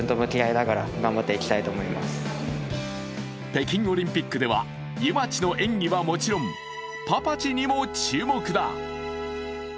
北京オリンピックではゆまちの演技はもちろん、パパちにも注目だ。